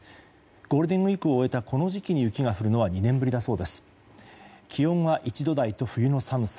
ゴールデンウィークを終えたこの時期に雪が降るのは２年ぶりで気温は１度台と冬の寒さ。